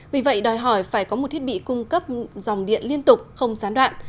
vì vậy đòi hỏi phải có một thiết bị cung cấp dòng điện liên tục không gián đoạn